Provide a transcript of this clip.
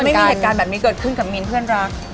ไม่มีเหตุการณ์แบบนี้เกิดขึ้นกับมินเพื่อนรัก